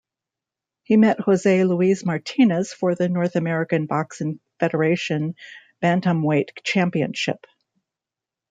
He met Jose Luis Martinez for the North American Boxing Federation bantamweight championship.